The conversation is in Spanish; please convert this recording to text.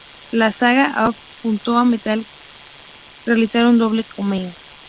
La saga "Ape Escape" junto a "Metal Gear", realizan un doble cameo.